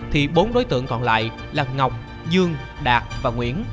thì bốn đối tượng còn lại là ngọc dương đạt và nguyễn